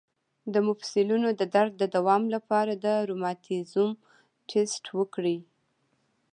د مفصلونو د درد د دوام لپاره د روماتیزم ټسټ وکړئ